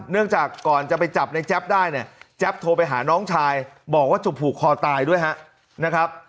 จากก่อนจะไปจับในแจ๊บได้เนี่ยแจ๊บโทรไปหาน้องชายบอกว่าถูกผูกคอตายด้วยนะครับ